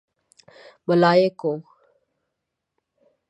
_ملايکو!